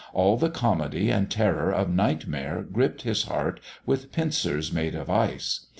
All the comedy and terror of nightmare gripped his heart with pincers made of ice.